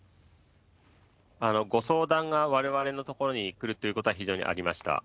ご相談がわれわれのところに来るということは非常にありました。